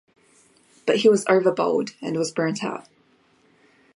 But he was over-bowled and was burnt out.